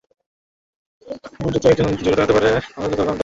বোল্টের চেয়ে একজন অন্তত জোরে দৌড়াতে পারেন, অন্তত তাঁর দাবি অনুযায়ী।